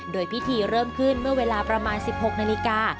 โดยพิธีเริ่มขึ้นเมื่อเวลาประมาณ๑๖นาฬิกา